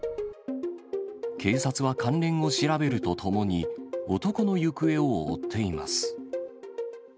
警察は関連を調べるとともに、男の行方を追っています。